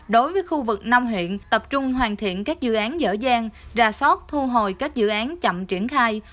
đối với khu vực năm huyện tập trung hoàn thiện các dự án dở gian ra sót thu hồi các dự án chậm triển khai